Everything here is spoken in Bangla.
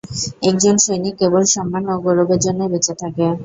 একজন সৈনিক কেবল সম্মান ও গৌরবের জন্যই বেঁচে থাকে।